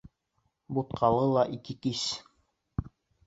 Бутҡалыла ике кис.